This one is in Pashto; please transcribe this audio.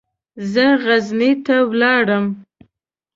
زه غزني ته ولاړم.